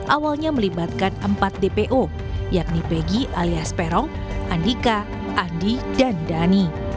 awalnya melibatkan empat dpo yakni pegi alias peron andika andi dan dhani